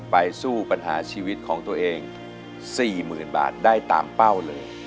ไปสู้ปัญหาชีวิตของตัวเอง๔๐๐๐บาทได้ตามเป้าเลย